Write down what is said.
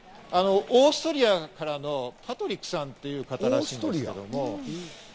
オーストリアからのパトリックさんという方らしいんですけれども。